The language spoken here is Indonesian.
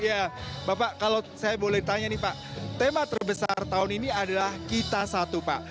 ya bapak kalau saya boleh tanya nih pak tema terbesar tahun ini adalah kita satu pak